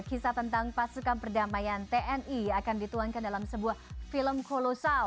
kisah tentang pasukan perdamaian tni akan dituangkan dalam sebuah film kolosal